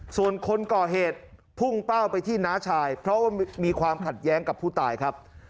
ส่วนคนก่อเหตุพุ่งเป้าไปที่น้าชายเพราะว่ามีความขัดแย้งกับผู้ตายครับ